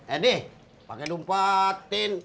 eh nih pakai numpatin